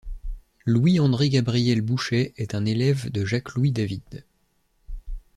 Louis-André-Gabriel Bouchet est un élève de Jacques-Louis David.